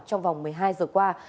trong vòng một mươi hai giờ qua